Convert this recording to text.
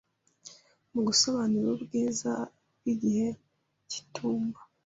mu gusobanura ubwiza bw’igihe cy’itumba.